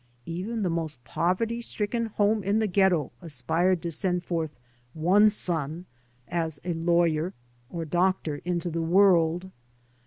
Even the most poverty stricken home in the ghetto aspired to send forth one son as lawyer or doctor into the world.